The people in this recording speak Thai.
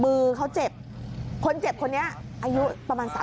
มือเขาเจ็บคนเจ็บคนนี้อายุประมาณ๓๐